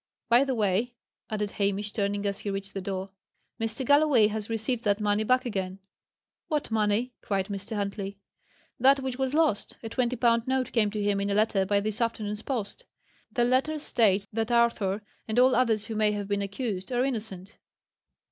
By the way," added Hamish, turning as he reached the door: "Mr. Galloway has received that money back again." "What money?" cried Mr. Huntley. "That which was lost. A twenty pound note came to him in a letter by this afternoon's post. The letter states that Arthur, and all others who may have been accused, are innocent."